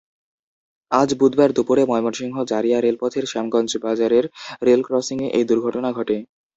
আজ বুধবার দুপুরে ময়মনসিংহ জারিয়া রেলপথের শ্যামগঞ্জ বাজারের রেলক্রসিংয়ে এই দুর্ঘটনা ঘটে।